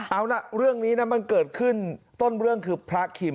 เอาล่ะเรื่องนี้นะมันเกิดขึ้นต้นเรื่องคือพระคิม